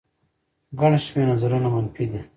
ګڼ شمېر نظرونه منفي دي